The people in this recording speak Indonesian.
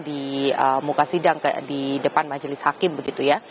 di muka sidang di depan majelis hakim begitu ya